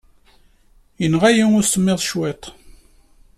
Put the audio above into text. Yenɣa-iyi usemmiḍ cwiṭ.